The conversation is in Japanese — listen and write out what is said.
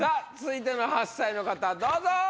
続いての８歳の方どうぞ！